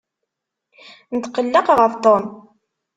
Netqelleq ɣef Tom.